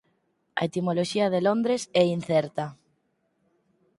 A etimoloxía de Londres é incerta.